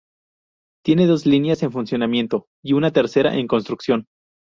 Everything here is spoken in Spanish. Tiene dos líneas en funcionamiento y una tercera en construcción.